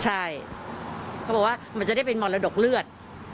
ใช่เขาบอกว่ามันจะได้เป็นมรดกเลือด